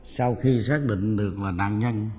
sau khi xác định được nạn nhân